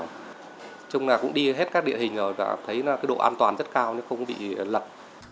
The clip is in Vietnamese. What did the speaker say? nói chung là cũng đi hết các địa hình rồi thấy độ an toàn rất cao không bị lật